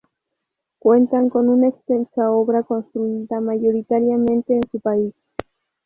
Cuentan con una extensa obra construida, mayoritariamente en su país.